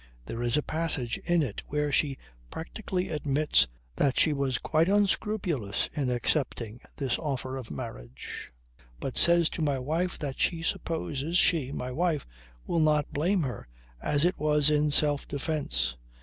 There is a passage in it where she practically admits that she was quite unscrupulous in accepting this offer of marriage, but says to my wife that she supposes she, my wife, will not blame her as it was in self defence.